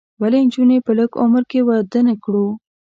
ولې نجونې په لږ عمر کې واده نه کړو؟